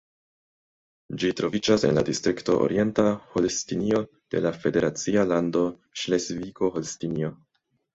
Ĝi troviĝas en la distrikto Orienta Holstinio de la federacia lando Ŝlesvigo-Holstinio.